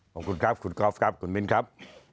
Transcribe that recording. ขอบคุณครับคุณกอล์ฟครับคุณมิ้นครับ